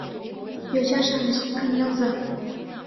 Йоча-шамыч, кынелза: